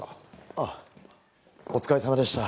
あっお疲れさまでした。